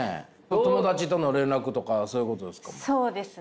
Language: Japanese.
友達との連絡とかそういうことですか？